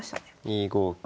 ２五桂。